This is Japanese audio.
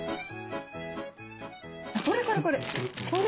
これこれこれ。